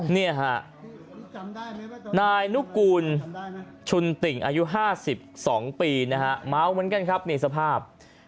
นี่ฮะนายนุกูลชุนติ่งอายุ๕๒ปีนะฮะเมาเหมือนกันครับนี่สภาพ